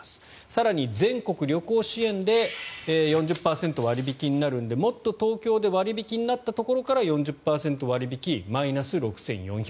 更に全国旅行支援で４０％割引になるのでもっとＴｏｋｙｏで割引になったところから４０％割引マイナス６４００円。